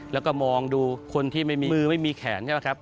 แล้วก็มองดูคนที่ไม่มีมือไม่มีแขนใช่ไหมครับ